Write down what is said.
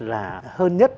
là hơn nhất